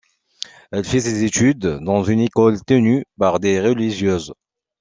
Elle fait ses études dans une école tenues par des religieuses.